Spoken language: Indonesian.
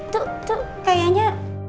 tuh tuh kayaknya